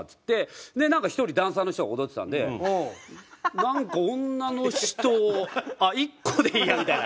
なんか１人ダンサーの人が踊ってたんでなんか女の人あっＩＫＫＯでいいやみたいな。